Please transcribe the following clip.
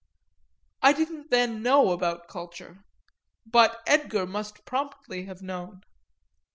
I didn't then know about culture, but Edgar must promptly have known.